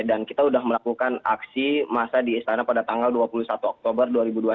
dan kita sudah melakukan aksi massa di istana pada tanggal dua puluh satu oktober dua ribu dua puluh satu